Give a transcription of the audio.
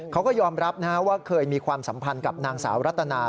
เขาก็ยอมรับว่าเคยมีความสัมพันธ์กับนางสาวรัตนา